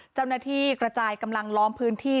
เจ้าหน้าที่กระจายกำลังล้อมพื้นที่